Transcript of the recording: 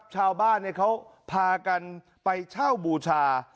ชาวบ้านเขาพากันไปเช่าบูชา